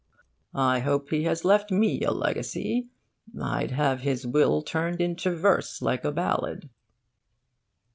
I hope he has left me a legacy. I'd have his will turned into verse, like a ballad.